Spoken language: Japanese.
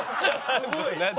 すごい。